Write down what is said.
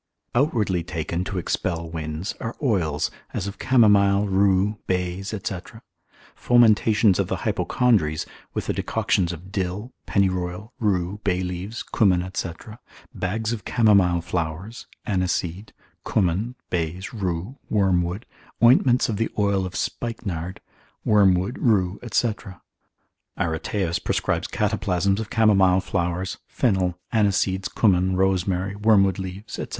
Outwardly taken to expel winds, are oils, as of camomile, rue, bays, &c. fomentations of the hypochondries, with the decoctions of dill, pennyroyal, rue, bay leaves, cumin, &c., bags of camomile flowers, aniseed, cumin, bays, rue, wormwood, ointments of the oil of spikenard, wormwood, rue, &c. Areteus prescribes cataplasms of camomile flowers, fennel, aniseeds, cumin, rosemary, wormwood leaves, &c.